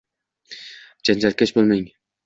Janjalkash bo‘lmang.